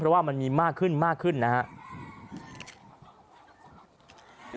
เพราะว่ามันมากขึ้นนะฮะ